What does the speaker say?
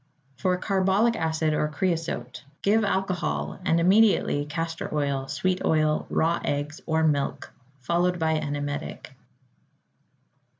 =For Carbolic Acid or Creosote.= Give alcohol and, immediately, castor oil, sweet oil, raw eggs, or milk, followed by an emetic.